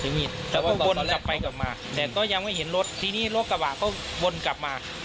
แต่ว่าวนกลับไปกลับมาแต่ก็ยังไม่เห็นรถทีนี้รถกระบะก็วนกลับมา